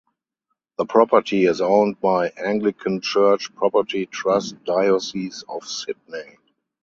The property is owned by Anglican Church Property Trust Diocese of Sydney.